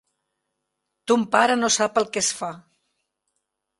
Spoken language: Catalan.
Ton pare no sap el que es fa.